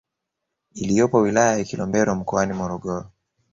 iliyopo wilaya ya Kilombero mkoani Morogoro